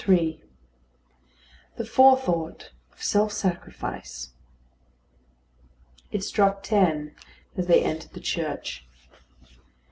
III THE FORETHOUGHT OF SELF SACRIFICE It struck ten as they entered the church.